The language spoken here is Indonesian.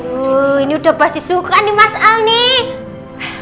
wuh ini udah pasti suka nih mas al nih